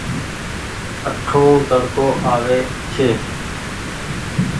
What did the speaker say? اٺون تڙڪو آوي ۔